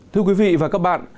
thưa quý vị và các bạn